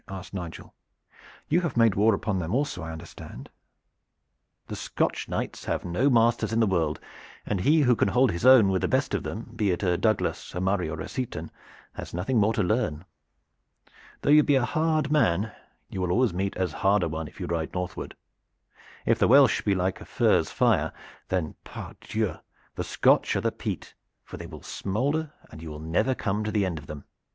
asked Nigel. "You have made war upon them also, as I understand." "The Scotch knights have no masters in the world, and he who can hold his own with the best of them, be it a Douglas, a Murray or a Seaton, has nothing more to learn. Though you be a hard man, you will always meet as hard a one if you ride northward. If the Welsh be like the furze fire, then, pardieu! the Scotch are the peat, for they will smolder and you will never come to the end of them.